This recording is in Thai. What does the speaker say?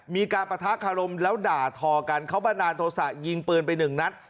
มีการประทะคารมแล้วด่าทอกันเขาบรรดาโทษะยิงเปลือนไปหนึ่งนัด